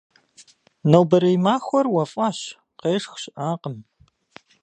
Нобэрей махуэр уэфӀащ, къешх щыӀакъым.